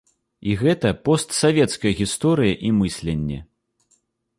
І гэта постсавецкая гісторыя і мысленне.